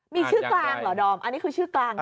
มีชื่อกลางเหรอดอมอันนี้คือชื่อกลางนะ